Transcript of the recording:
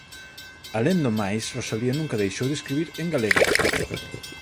Alén do máis, Rosalía nunca deixou de escribir en galego.